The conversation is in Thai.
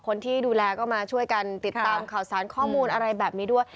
คนที่ดูแลก็มาช่วยกันติดตามข่าวสารข้อมูลอะไรแบบนี้ด้วย